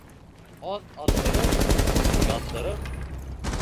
Аҙ аҙҙырыр, күп яҙҙырыр.